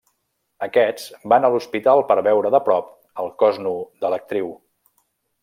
Aquests van a l'hospital per veure de prop el cos nu de l'actriu.